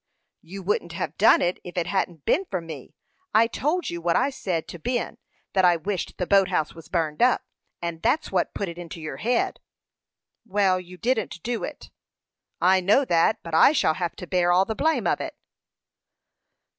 "You wouldn't have done it, if it hadn't been for me. I told you what I said to Ben that I wished the boat house was burned up; and that's what put it into your head." "Well, you didn't do it." "I know that; but I shall have to bear all the blame of it."